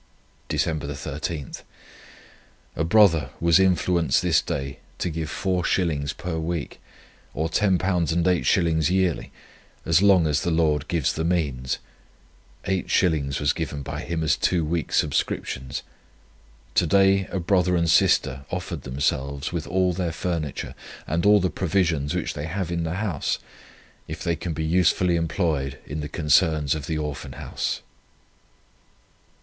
"Dec. 13. A brother was influenced this day to give 4s. per week, or £10 8s. yearly, as long as the Lord gives the means; 8s. was given by him as two weeks' subscriptions. To day a brother and sister offered themselves, with all their furniture, and all the provisions which they have in the house, if they can be usefully employed in the concerns of the Orphan House."